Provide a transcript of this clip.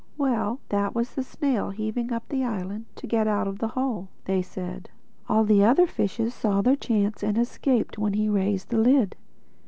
"Well, that was the snail heaving up the island to get out of the Hole," they said. "All the other fishes saw their chance and escaped when he raised the lid.